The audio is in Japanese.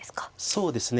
そうですね。